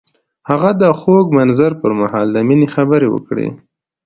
هغه د خوږ منظر پر مهال د مینې خبرې وکړې.